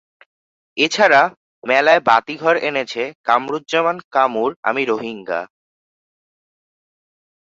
এ ছাড়া মেলায় বাতিঘর এনেছে কামরুজ্জামান কামুর আমি রোহিঙ্গা।